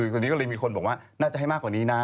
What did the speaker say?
ตอนนี้ก็เลยมีคนบอกว่าน่าจะให้มากกว่านี้นะ